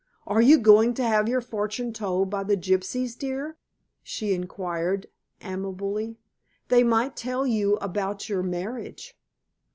"Are you going to have your fortune told by the gypsies, dear?" she inquired amiably. "They might tell you about your marriage."